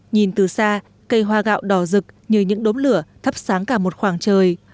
nhìn từ xa cây hoa gạo đỏ rực như những đốm lửa thắp sáng cả một khoảng trời